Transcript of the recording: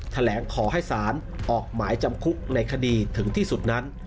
แถลงขอให้สารออกหมายจำคุกในคดีถึงที่สุดนั้น